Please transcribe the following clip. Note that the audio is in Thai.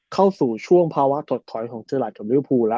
เข้าสู่ช่วงภาวะถดถอยของเจอรัฐกับลิวภูแล้ว